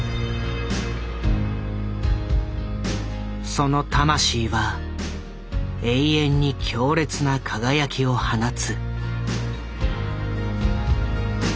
その魂は永遠に強烈な輝きを放つ。